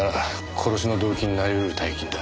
殺しの動機になり得る大金だ。